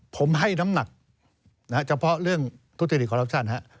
ผมให้น้ำหนักเฉพาะเรื่องทุธิฤทธิ์ของรับชาติ